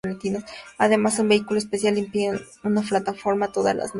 Además un vehículo especial limpia la plataforma todas las noches.